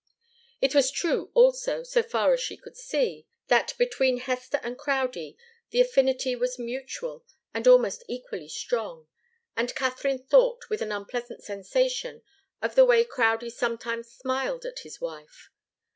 It was true, also, so far as she could see, that between Hester and Crowdie the affinity was mutual and almost equally strong, and Katharine thought with an unpleasant sensation of the way Crowdie sometimes smiled at his wife.